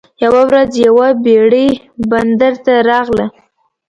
یوه ورځ یوه بیړۍ بندر ته راغله.